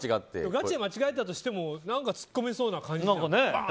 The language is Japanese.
ガチで間違えたとしても何かツッコみそうじゃん。